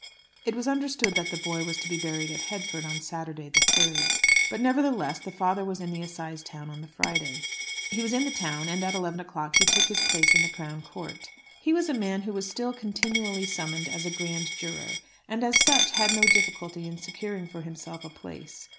It was understood that the boy was to be buried at Headford, on Saturday, the 3rd; but, nevertheless, the father was in the assize town on the Friday. He was in the town, and at eleven o'clock he took his place in the Crown Court. He was a man who was still continually summoned as a grand juror, and as such had no difficulty in securing for himself a place.